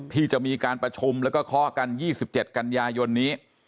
ที่จะมีการประชุมและก็ข้อกัน๒๗กัญญายนนี้